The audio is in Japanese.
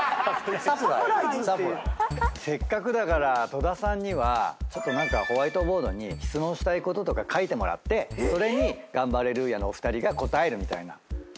せっかくだから戸田さんにはちょっと何かホワイトボードに質問したいこととか書いてもらってそれにガンバレルーヤのお二人が答えるみたいな。